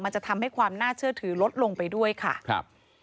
จะทำให้ความน่าเชื่อถือลดลงไปด้วยค่ะครับ